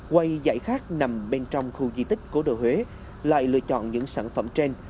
quầy dạy khác nằm bên trong khu di tích của đô huế lại lựa chọn những sản phẩm trên